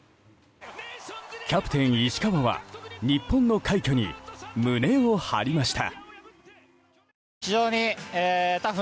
キャプテン石川は日本の快挙に胸を張りました。